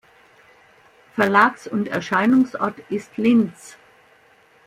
Verlags- und Erscheinungsort ist Linz.